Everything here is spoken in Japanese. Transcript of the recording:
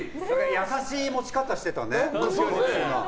優しい持ち方してたね。